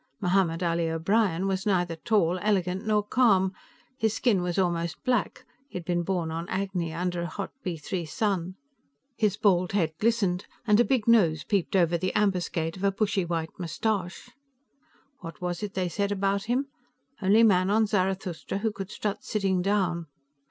Mohammed Ali O'Brien was neither tall, elegant nor calm. His skin was almost black he'd been born on Agni, under a hot B3 sun. His bald head glistened, and a big nose peeped over the ambuscade of a bushy white mustache. What was it they said about him? Only man on Zarathustra who could strut sitting down.